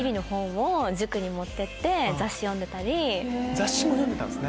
雑誌は読んでたんですね。